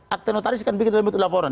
akte notaris kan bikin dalam bentuk laporan